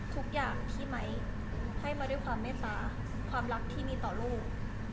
ทุกอย่างที่ไม้ให้มาด้วยความเมตตาความรักที่มีต่อลูก